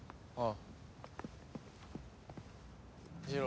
ああ。